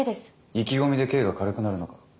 意気込みで刑が軽くなるのか？